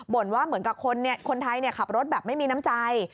ว่าเหมือนกับคนไทยขับรถแบบไม่มีน้ำใจ